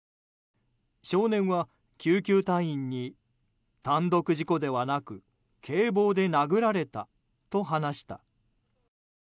少年は救急隊員に単独事故ではなく警棒で殴られたと話した。